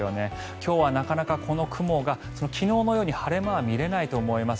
今日はなかなかこの雲が昨日のように晴れ間は見れないと思います。